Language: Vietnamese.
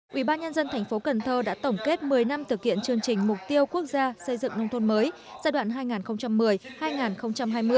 quỹ ba nhân dân thành phố cần thơ đã tổng kết một mươi năm thực hiện chương trình mục tiêu quốc gia xây dựng nông thôn mới giai đoạn hai nghìn một mươi hai nghìn hai mươi